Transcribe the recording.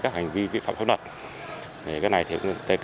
các hành vi vi phạm không đọt